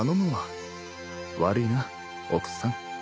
悪ぃな奥さん。